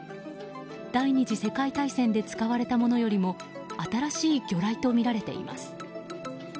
第２次世界大戦で使われたものよりも新しい魚雷とみられています。